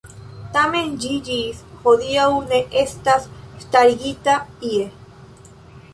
Tamen ĝi ĝis hodiaŭ ne estas starigita ie.